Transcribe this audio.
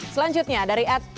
selanjutnya dari ed f dua l